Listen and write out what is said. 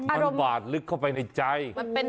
มันบาดลึกเข้าไปในใจ